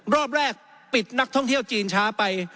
รอบแรกปิดนักท่องเที่ยวจีนช้าไป